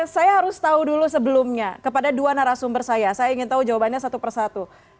saya harus tahu dulu sebelumnya kepada dua narasumber saya saya ingin tahu jawabannya satu persatu